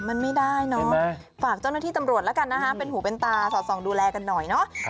มันไม่ได้เนอะฝากเจ้าหน้าที่ตำรวจแล้วกันนะคะเป็นหูเป็นตาสอดส่องดูแลกันหน่อยเนาะ